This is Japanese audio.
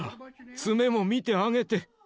爪も見てあげて。